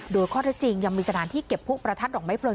โดยข้อถ้าจริงยังมีสถานที่เก็บผู้ประทัดดอกไม้เปลิง